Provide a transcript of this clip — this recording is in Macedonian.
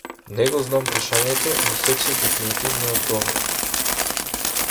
Не го знам прашањето, но сексот дефинитино е одговорот.